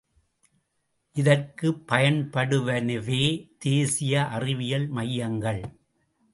இதற்குப் பயன்படுவனவே தேசிய அறிவியல் மையங்கள்!